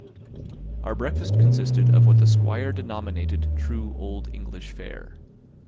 Our breakfast consisted of what the Squire denominated true old English fare.